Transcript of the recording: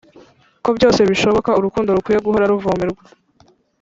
ko byose bishoboka, urukundo rukwiye guhora ruvomerwa.